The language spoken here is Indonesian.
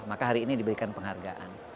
maka hari ini diberikan penghargaan